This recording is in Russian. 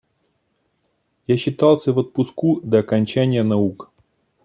Я считался в отпуску до окончания наук.